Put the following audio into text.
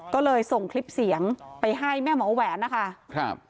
ก็เลยส่งคลิปเสียงไปให้แม่หมอแหวนนะคะครับ